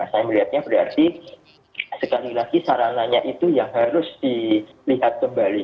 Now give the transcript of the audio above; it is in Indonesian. saya melihatnya berarti sekali lagi sarananya itu yang harus dilihat kembali